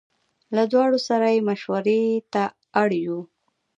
له دواړو سره یې مشوړې ته اړ یو.